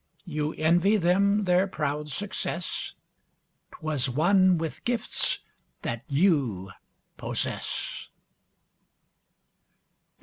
You envy them their proud success? 'Twas won with gifts that you possess.